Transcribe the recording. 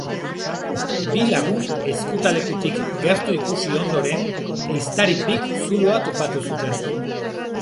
Bi lagun ezkutalekutik gertu ikusi ondoren, ehiztari bik zuloa topatu zuten.